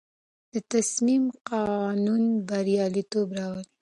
د تصمیم قانون بریالیتوب راولي.